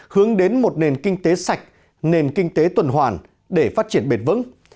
hướng đến một nền kinh tế sạch nền kinh tế tuần hoàn để phát triển bền vững